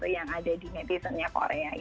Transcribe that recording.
yang ada di netizennya korea